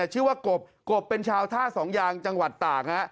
ชื่อว่ากบกบเป็นชาวท่าสองยางจังหวัดตาก